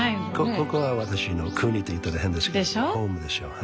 ここが私の国と言ったら変ですけどホームですよ。